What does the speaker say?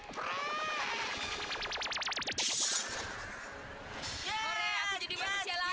yeay aku jadi manusia lagi